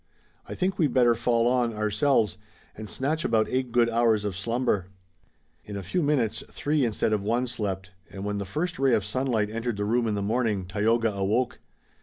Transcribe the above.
I think we'd better fall on, ourselves, and snatch about eight good hours of slumber." In a few minutes three instead of one slept, and when the first ray of sunlight entered the room in the morning Tayoga awoke.